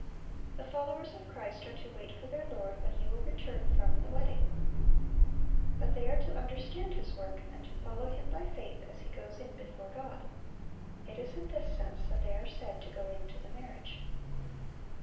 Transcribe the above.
The followers of Christ are to "wait for their Lord, when He will return from the wedding."(709) But they are to understand His work, and to follow Him by faith as He goes in before God. It is in this sense that they are said to go in to the marriage.